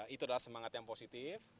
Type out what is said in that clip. itu adalah semangat yang positif